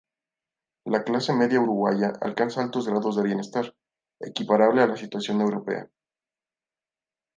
La clase media uruguaya alcanza altos grados de bienestar, equiparable a la situación europea.